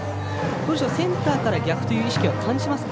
センターから逆という意識は感じますか？